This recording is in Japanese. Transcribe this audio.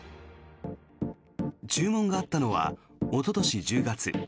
注文があったのは一昨年１０月。